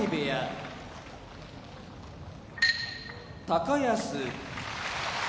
高安